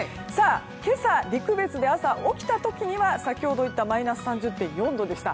今朝陸別で起きた時には先ほど言ったマイナス３０．４度でした。